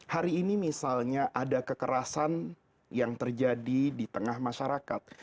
hari ini misalnya ada kekerasan yang terjadi di tengah masyarakat